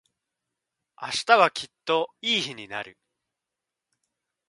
明日はきっといい日になる。